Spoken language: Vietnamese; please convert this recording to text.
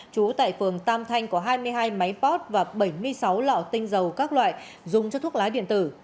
trú tại phường tam thanh có hai mươi hai máy pot và bảy mươi sáu lọ tinh dầu các loại dùng cho thuốc lá điện tử